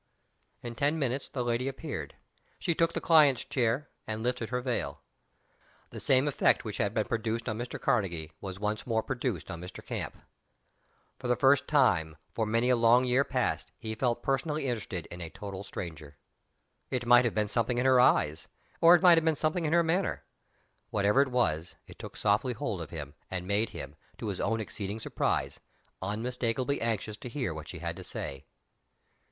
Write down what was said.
In ten minutes the lady appeared. She took the client's chair and lifted her veil. The same effect which had been produced on Mr. Karnegie was once more produced on Mr. Camp. For the first time, for many a long year past, he felt personally interested in a total stranger. It might have been something in her eyes, or it might have been something in her manner. Whatever it was, it took softly hold of him, and made him, to his own exceeding surprise, unmistakably anxious to hear what she had to say!